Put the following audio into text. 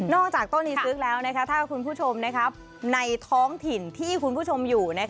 จากต้นนี้ซื้อแล้วถ้าคุณผู้ชมในท้องถิ่นที่คุณผู้ชมอยู่